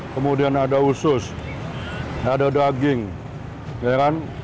kemudian ada usus ada daging ya kan